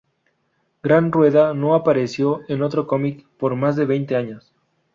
Gran Rueda no apareció en otro cómic por más de veinte años.